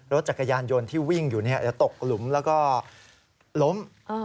รถจักรยานยนต์ที่วิ่งอยู่เดี๋ยวตกหลุมแล้วก็ล้ม